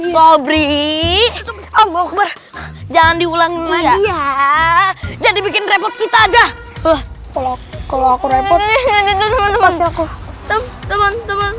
sobrir jangan diulangi ya jadi bikin repot kita aja kalau kalau aku repot